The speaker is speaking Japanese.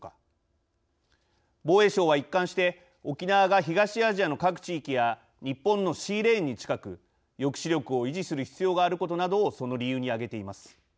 防衛省は一貫して沖縄が東アジアの各地域や日本のシーレーンに近く抑止力を維持する必要があることなどをその理由に挙げています。